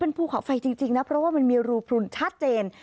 ภูเขาไฟจริงนะเพราะว่ามันมีรูพลุนชัดเจน